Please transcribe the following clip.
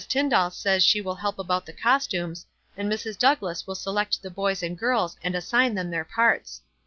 Tynclall says she will help about the costumes, and Mrs. Doug lass will select the boys and girls and assign them their parts.